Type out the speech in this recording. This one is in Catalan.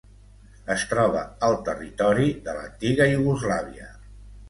Es troba al territori de l'antiga Iugoslàvia.